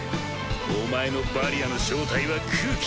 お前のバリアの正体は空気。